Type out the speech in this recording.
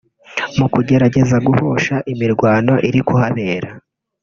mu kugerageza guhosha imirwaho iri kuhabera